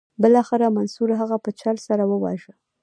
بالاخره منصور هغه په چل سره وواژه.